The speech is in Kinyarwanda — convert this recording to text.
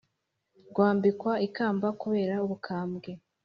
Rwambikwa ikamba kubera ubukambwe